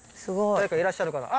誰かいらっしゃるかなあ。